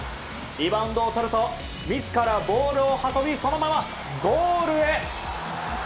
リバウンドをとると自らボールを運びそのままゴールへ。